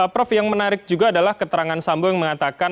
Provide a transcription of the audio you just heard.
prof yang menarik juga adalah keterangan sambo yang mengatakan